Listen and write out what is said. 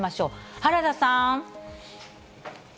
原田さん。